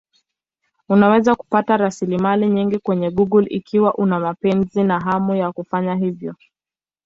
Unaweza kupata rasilimali nyingi kwenye Google ikiwa una mapenzi na hamu ya kufanya hivyo.